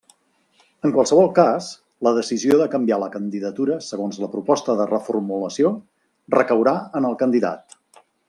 En qualsevol cas la decisió de canviar la candidatura segons la proposta de reformulació recaurà en el candidat.